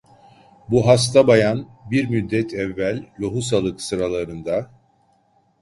Bu hasta bayan, bir müddet evvel lohusalık sıralarında…